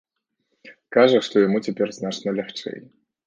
Кажа, што яму цяпер значна лягчэй.